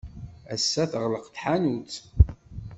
Ass-a teɣleq tḥanut.